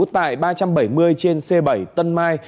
tại ba trăm bảy mươi trên c bảy tân mai